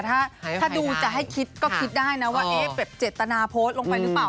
ถ้าดูจะให้คิดก็คิดได้นะว่าเอ๊ะแบบเจตนาโพสต์ลงไปหรือเปล่า